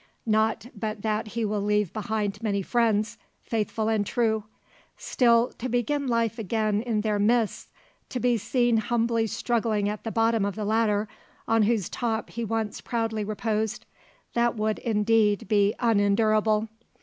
Not but that he will leave behind many friends, faithful and true. Still to begin life again in their midst to be seen humbly struggling at the bottom of the ladder on whose top he once proudly reposed that would indeed be unendurable.